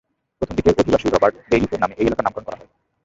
প্রথম দিকের অধিবাসী রবার্ট বেইলিফের নামে এই এলাকার নামকরণ করা হয়।